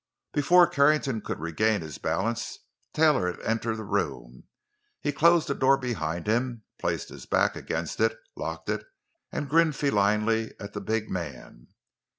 Before Carrington could regain his balance Taylor had entered the room. He closed the door behind him, placed his back against it, locked it, and grinned felinely at the big man.